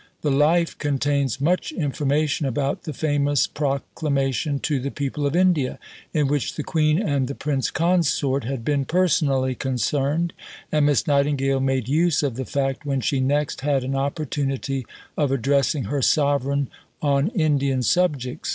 The Life contains much information about the famous Proclamation to the People of India, in which the Queen and the Prince Consort had been personally concerned, and Miss Nightingale made use of the fact when she next had an opportunity of addressing her Sovereign on Indian subjects.